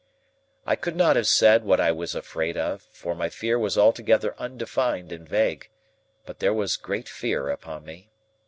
I could not have said what I was afraid of, for my fear was altogether undefined and vague, but there was great fear upon me.